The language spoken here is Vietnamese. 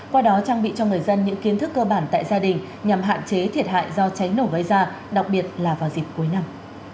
qua đó trang bị cho người dân những kiến thức cơ bản tại gia đình nhằm hạn chế thiệt hại do cháy nổ gây ra đặc biệt là vào dịp cuối năm